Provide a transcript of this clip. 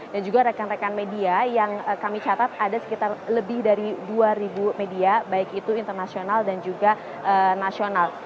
dan juga rekan rekan media yang kami catat ada sekitar lebih dari dua ribu media baik itu internasional dan juga nasional